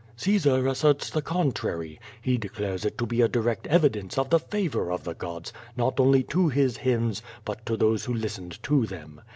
Caesar asserts the contrary. He declares it to be a direct evidence of the favor of the gods, not only to his hymns but to those who listened to them.